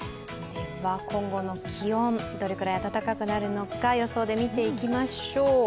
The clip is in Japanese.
今後の気温、どれくらい暖かくなるのか予想で見ていきましょう。